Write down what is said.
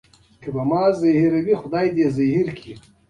د پښتو ادبیاتو لپاره تر ټولو مخکنۍ ادبي تذکره ده.